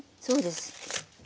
そうです。